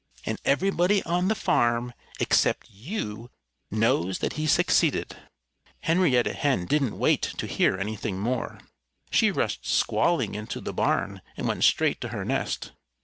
And everybody on the farm except you knows that he succeeded." Henrietta Hen didn't wait to hear anything more. She rushed squalling into the barn and went straight to her nest.